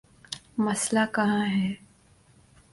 مسئلہ کہاں ہے؟